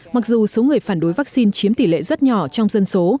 mặc dù số người phản đối vaccine chiếm tỷ lệ rất nhỏ trong dân số